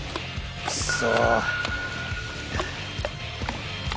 クソ。